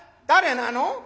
誰なの？